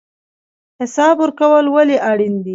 حساب ورکول ولې اړین دي؟